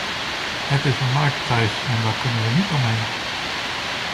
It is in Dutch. Het is een marktprijs, en daar kunnen we niet omheen.